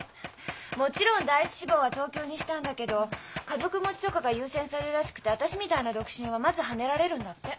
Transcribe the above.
もちろん第１志望は東京にしたんだけど家族持ちとかが優先されるらしくて私みたいな独身はまずはねられるんだって。